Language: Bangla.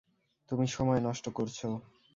তুমি সময় নষ্ট করছো।